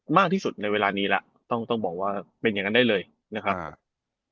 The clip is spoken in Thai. มากที่สุดในเวลานี้แล้วต้องต้องบอกว่าเป็นอย่างนั้นได้เลยนะครับอ่า